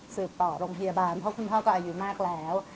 ต่อโรงพยาบาลเพราะคุณพ่อก็อายุมากแล้ว